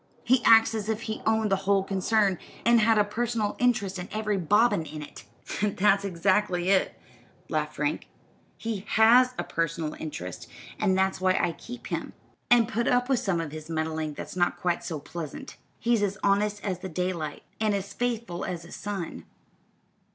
He acts as if he owned the whole concern, and had a personal interest in every bobbin in it." "That's exactly it," laughed Frank. "He has a personal interest, and that's why I keep him, and put up with some of his meddling that's not quite so pleasant. He's as honest as the daylight, and as faithful as the sun."